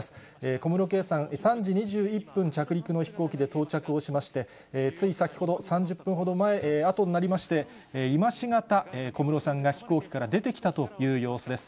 小室圭さん、３時２１分着陸の飛行機で到着をしまして、つい先ほど、３０分ほどあとになりまして、今しがた、小室さんが飛行機から出てきたという様子です。